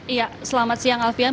iya selamat siang alfian